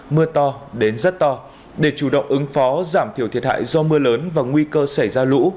mưa to đến rất to để chủ động ứng phó giảm thiểu thiệt hại do mưa lớn và nguy cơ xảy ra lũ